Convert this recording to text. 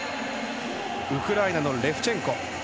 ウクライナのレフチェンコ。